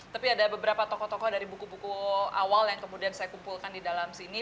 tapi ada beberapa tokoh tokoh dari buku buku awal yang kemudian saya kumpulkan di dalam sini